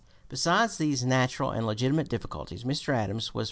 Besides these natural and legitimate difficulties, Mr. Adams was (p.